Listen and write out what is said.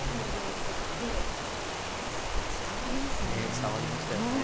伝わりましたよね。